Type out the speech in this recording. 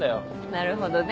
なるほどね。